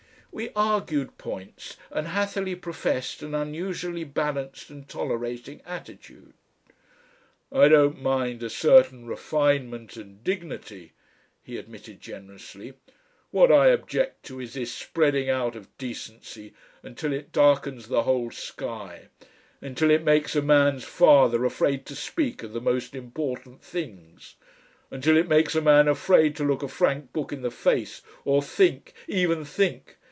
We argued points and Hatherleigh professed an unusually balanced and tolerating attitude. "I don't mind a certain refinement and dignity," he admitted generously. "What I object to is this spreading out of decency until it darkens the whole sky, until it makes a man's father afraid to speak of the most important things, until it makes a man afraid to look a frank book in the face or think even think!